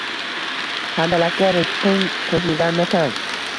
– Handalakka rizqing qo‘shilganakan